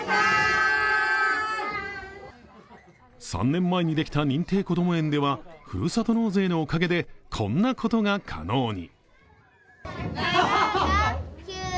３年前にできた認定こども園ではふるさと納税のおかげでこんなことが可能に。